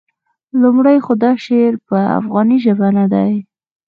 لومړی خو دا شعر په افغاني ژبه نه دی.